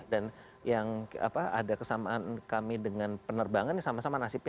dan yang ada kesamaan kami dengan penerbangan ini sama sama nasibnya